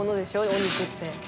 お肉って。